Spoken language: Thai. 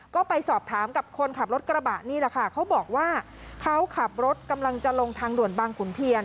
ก็ไปสอบถามกับคนขับรถกระบะนี่แหละค่ะเขาบอกว่าเขาขับรถกำลังจะลงทางด่วนบางขุนเทียน